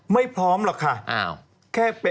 ไม่พร้อมหรอกค่ะ